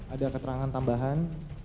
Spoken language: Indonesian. ada keterangan tambahan